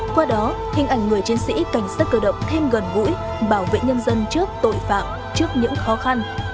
qua đó hình ảnh người chiến sĩ cảnh sát cơ động thêm gần gũi bảo vệ nhân dân trước tội phạm trước những khó khăn